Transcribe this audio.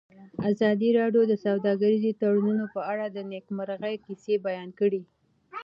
ازادي راډیو د سوداګریز تړونونه په اړه د نېکمرغۍ کیسې بیان کړې.